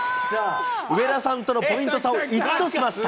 上田さんとのポイント差を１としました。